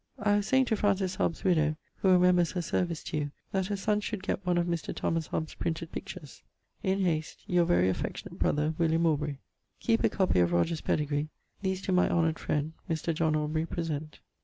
I was saying to Francis Hobbes's widow (who remembers her service to you) that her son should get one of Mr. Thomas Hobbes's printed pictures. In hast, Your very affectionat brother, WILLIAM AUBREY. Keep a copie of Rogers' pedegree. These to my honoured freind, Mr. John Awbrey present.